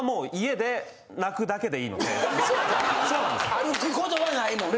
歩くことはないもんね。